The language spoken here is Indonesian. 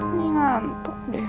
ini ngantuk deh